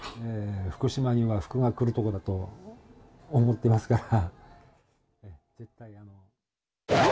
福島には福が来る所だと思っていますから。